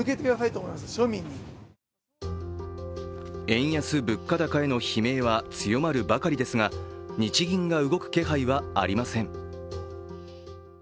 円安、物価高への悲鳴は強まるばかりですが日銀が動く気配はありません。